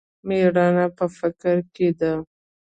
مېړانه په فکر کښې ده.